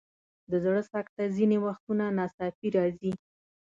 د زړه سکته ځینې وختونه ناڅاپي راځي.